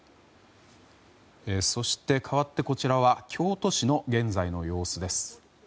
そして、かわってこちらは京都市の現在の様子です。